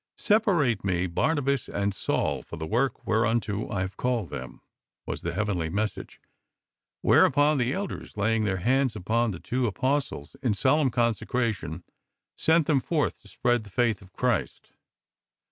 " Separate me Barnabas and Saul for the work whereunto I have called them, was the heavenly message,' whereupon the Elders, laying their hands upon the two Apostles in solemn consecration, sent them forth to spread the faith of Christ.